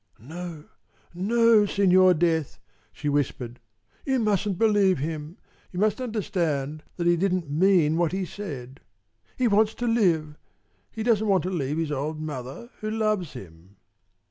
"No, no, Signor Death!" she whispered. "You mustn't believe him. You must understand that he didn't mean what he said. He wants to live. He doesn't want to leave his old mother, who loves him."